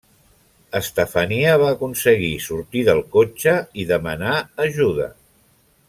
Estefania va aconseguir sortir del cotxe i demanar ajuda.